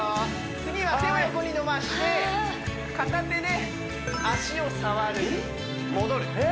次は手を横に伸ばして片手で足を触る戻るえっ？